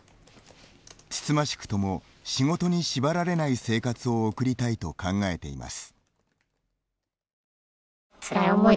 つつましくとも仕事に縛られない生活を送りたいと考えています。